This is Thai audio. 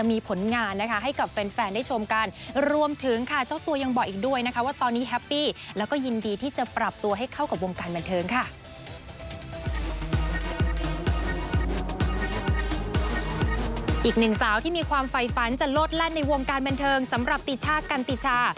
อีกหนึ่งสาวที่มีความไฟฝันจะโลดแล่นในวงการบันเทิงสำหรับติชากันติชา